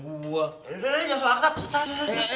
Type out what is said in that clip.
ya udah udah jangan salah akta pesan